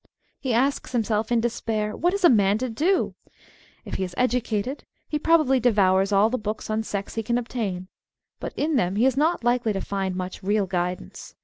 He asks himself in despair : What is a man to do .' If he is " educated," he probably devours all the books on sex he can obtain. But in them he is not likely to find much real guidance.